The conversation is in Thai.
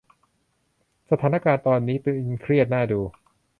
สถานการณ์ตอนนี้ตึงเครียดน่าดู